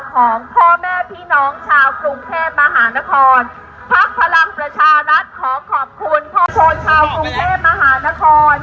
ของพ่อแม่พี่น้องชาวภูเขมมหานครพรรคพลังรสชารัฐขอขอบคุณท่วงคนชาวภูเขมมหานคร